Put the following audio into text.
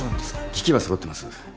機器は揃ってます。